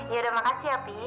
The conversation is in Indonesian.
ya udah makasih api